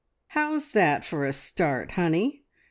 "How's that for a start, Honey?